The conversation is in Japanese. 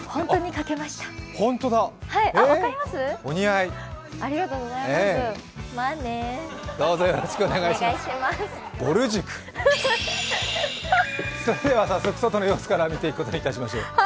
それでは早速、外の様子から見ていくことにしましょう。